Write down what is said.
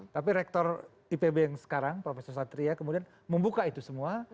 tapi rektor ipb yang sekarang prof satria kemudian membuka itu semua